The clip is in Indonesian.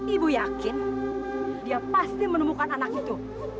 ibu yakin dia pasti menemukan anak itu